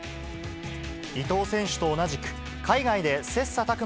伊東選手と同じく、海外で切さたく